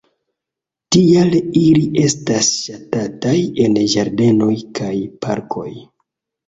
Tial ili estas ŝatataj en ĝardenoj kaj parkoj.